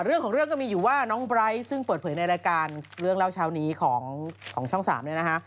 เรื่องของเรื่องก็มีอยู่ว่าน้องไบร์ทซึ่งเปิดเผยในรายการเรื่องเล่าเช้านี้ของช่อง๓เนี่ยนะคะ